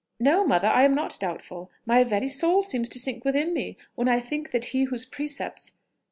"No, mother, I am not doubtful: my very soul seems to sink within me, when I think that he whose precepts...."